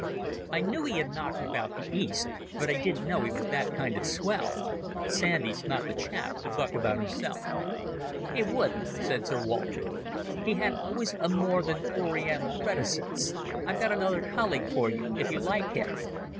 "I knew he had knocked about the East, but I didn't know he was that kind of swell. Sandy's not the chap to buck about himself." "He wouldn't," said Sir Walter. "He had always a more than Oriental reticence. I've got another colleague for you, if you like him."